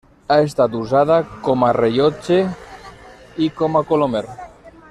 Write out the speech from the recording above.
Ha estat usada com a rellotge i com a colomer.